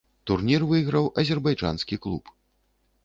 Турнір выйграў азербайджанскі клуб.